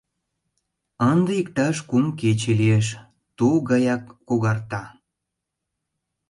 Ынде, иктаж кум кече лиеш, тул гаяк когарта.